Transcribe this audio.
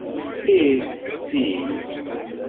Ih, sin.